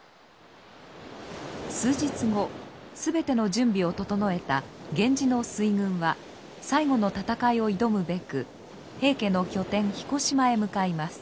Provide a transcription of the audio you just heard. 数日後全ての準備を整えた源氏の水軍は最後の戦いを挑むべく平家の拠点彦島へ向かいます。